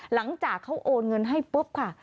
หลังจากเขาโอนเงินให้ปุ๊บค่ะ